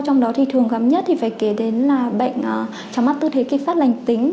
trong đó thì thường gặp nhất thì phải kể đến là bệnh trong mắt tư thế kịch phát lành tính